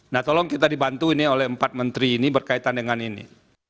nah tolong kita dibantu ini oleh empat menteri ini berkaitan dengan ini